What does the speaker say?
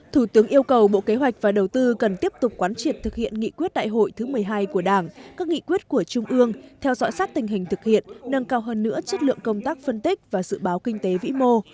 thủ tướng yêu cầu bộ kế hoạch và đầu tư cần tiếp tục quán triệt thực hiện nghị quyết đại hội thứ một mươi hai của đảng các nghị quyết của trung ương theo dõi sát tình hình thực hiện nâng cao hơn nữa chất lượng công tác phân tích và dự báo kinh tế vĩ mô